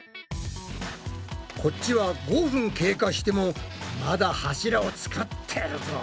こっちは５分経過してもまだ柱を作ってるぞ。